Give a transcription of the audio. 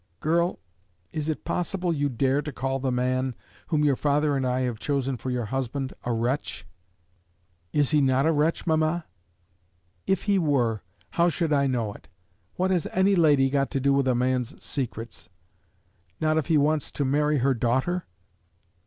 "Girl! is it possible you dare to call the man, whom your father and I have chosen for your husband, a wretch!" "Is he not a wretch, mamma?" "If he were, how should I know it? What has any lady got to do with a man's secrets?" "Not if he wants to marry her daughter?"